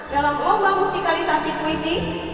dalam lomba musikalisasi kuisi